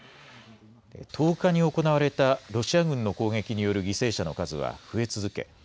１０日に行われたロシア軍の攻撃による犠牲者の数は増え続け